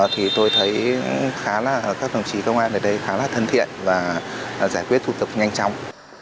thì tôi thấy các đồng chí công an ở đây khá là thân thiện và giải quyết thủ tục nhanh chóng